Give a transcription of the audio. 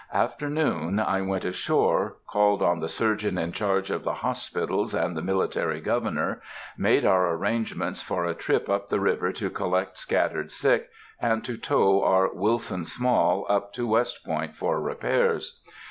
After noon I went ashore, called on the surgeon in charge of the hospitals and the Military Governor, made our arrangements for a trip up the river to collect scattered sick, and to tow our Wilson Small up to West Point for repairs.